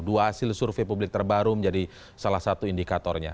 dua hasil survei publik terbaru menjadi salah satu indikatornya